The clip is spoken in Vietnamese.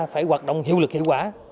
phải hoạt động hiệu lực hiệu quả